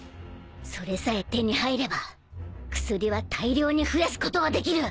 それさえ手に入れば薬は大量に増やすことができる。